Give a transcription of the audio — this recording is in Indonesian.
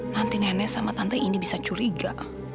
nanti nenek sama tante ini bisa curiga